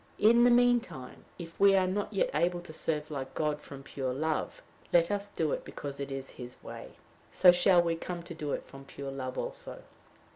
In the mean time, if we are not yet able to serve like God from pure love, let us do it because it is his way; so shall we come to do it from pure love also.